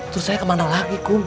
terus saya kemana lagi kok